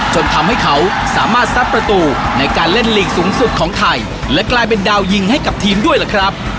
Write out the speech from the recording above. จนทำให้เขาสามารถซัดประตูในการเล่นลีกสูงสุดของไทยและกลายเป็นดาวยิงให้กับทีมด้วยล่ะครับ